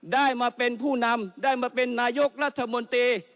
ได้มาเป็นผู้นำได้มาเป็นนายกรัฐมนตรี